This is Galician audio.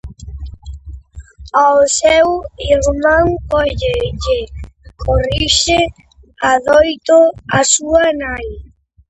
Ou a o seu irmán, como lle corrixe adoito a súa nai.